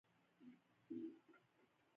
قبضه، چور، لوټ او تالا کوي.